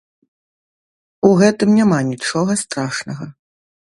У гэтым няма нічога страшнага.